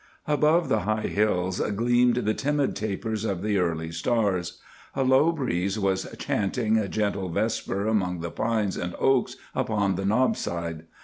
Above the high hills gleamed the timid tapers of the early stars. A low breeze was chanting a gentle vesper among the pines and oaks upon the knob side.